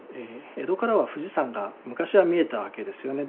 江戸からは富士山が昔は見えたわけですよね。